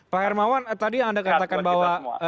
pak hermawan tadi yang anda katakan bahwa